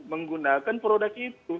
menggunakan produk itu